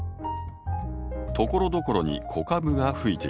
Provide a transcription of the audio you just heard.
ところどころに子株がふいています。